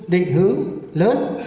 định hướng lớn